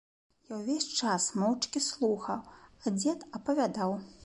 Я ўвесь час моўчкі слухаў, а дзед апавядаў.